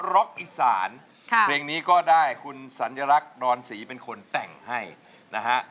ร็อกอีสานค่ะเพลงนี้ก็ได้คุณสัญลักษณ์ดอนศรีเป็นคนแต่งให้นะฮะ